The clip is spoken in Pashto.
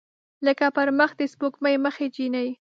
لکه پر مخ د سپوږمۍ مخې جینۍ